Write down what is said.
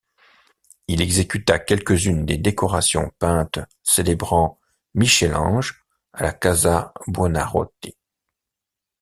Il exécuta quelques-unes des décorations peintes célébrant Michel-Ange à la Casa Buonarroti.